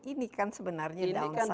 ini kan sebenarnya down side nya